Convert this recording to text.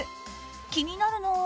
気になるのは。